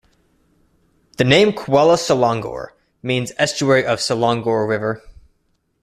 The name Kuala Selangor means Estuary of Selangor River.